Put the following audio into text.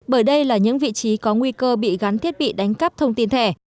bởi đây là những vị trí có nguy cơ bị gắn thiết bị đánh cắp thông tin thẻ